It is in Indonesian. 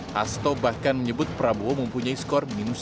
hasto bahkan menyebut prabowo mempunyai skor minus satu